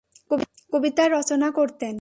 কবিতা রচনা করতেন।